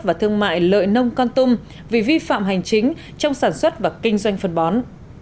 và thương mại lợi nông con tum vì vi phạm hành chính trong sản xuất và kinh doanh phân bón